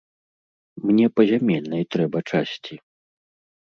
Мне па зямельнай трэба часці.